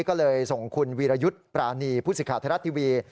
ก็เลยส่งคุณวีรยุทธ์ปรานีพุศิษภาษาไทยรัฐทีวี